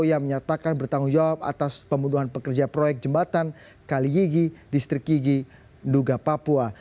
yang menyatakan bertanggung jawab atas pembunuhan pekerja proyek jembatan kaliyigi distrik yigi duga papua